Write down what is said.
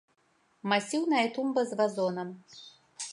Масіўная тумба з вазонам.